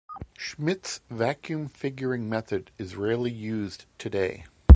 Schmidt's vacuum figuring method is rarely used today.